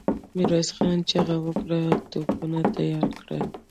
ميرويس خان چيغه کړه! توپونه تيار کړئ!